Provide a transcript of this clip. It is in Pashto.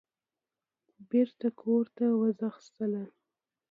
بېرته کورته وځغاستله.